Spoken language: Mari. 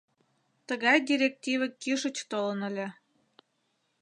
— Тыгай директиве кӱшыч толын ыле.